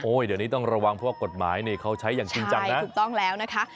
เดี๋ยวนี้ต้องระวังเพราะว่ากฎหมายนี่เขาใช้อย่างจริงจังนะถูกต้องแล้วนะคะ